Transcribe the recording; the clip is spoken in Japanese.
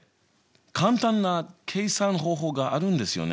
簡単な計算方法があるんですよね？